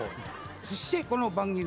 そしてこの番組は。